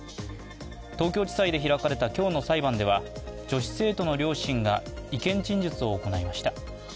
東京地裁で開かれた今日の裁判では女子生徒の両親が意見陳述を行いました。